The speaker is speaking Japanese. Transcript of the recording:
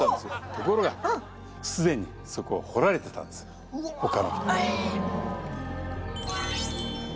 ところが既にそこは掘られてたんですほかの人に。